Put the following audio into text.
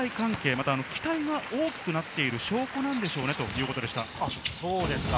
信頼関係、また期待が大きくなっている証拠なんでしょうねということでした。